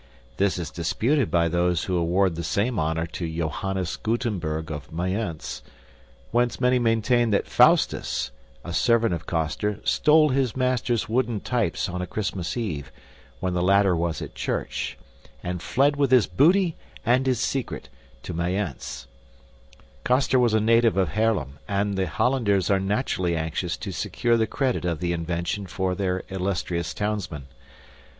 This is disputed by those who award the same honor to Johannes Gutenberg of Mayence; while many maintain that Faustus, a servant of Coster, stole his master's wooden types on a Christmas eve, when the latter was at church, and fled with his booty and his secret, to Mayence. Coster was a native of Haarlem, and the Hollanders are naturally anxious to secure the credit of the invention for their illustrious townsman.